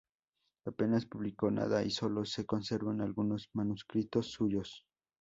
Apenas publicó nada y sólo se conservan algunos manuscritos suyos.